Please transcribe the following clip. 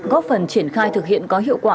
góp phần triển khai thực hiện có hiệu quả